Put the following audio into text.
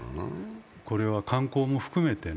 これは観光も含めてね。